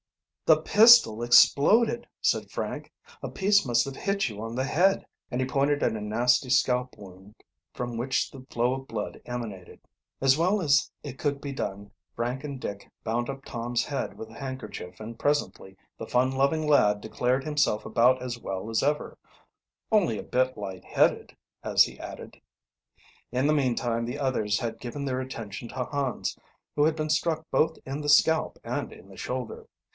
"The pistol exploded," said Frank. "A piece must have hit you on the head," and he pointed at a nasty scalp wound from which the flow of blood emanated. As well as it could be done, Frank and Dick bound up Tom's head with a handkerchief, and presently the fun loving lad declared himself about as well as ever, "Only a bit light headed," as he added. In the meantime the others had given their attention to Hans, who had been struck both in the scalp and in the shoulder.